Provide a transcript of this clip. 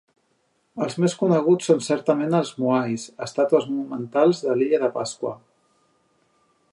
Els més coneguts són certament els Moais, estàtues monumentals de l'Illa de Pasqua.